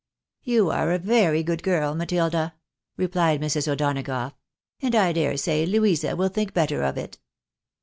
" You are a very good girl, Matilda," replied Mrs. O'Dona gough, " and I dare say Louisa will think better of it."